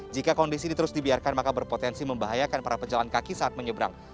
jika kondisi ini terus dibiarkan maka berpotensi membahayakan para pejalan kaki saat menyeberang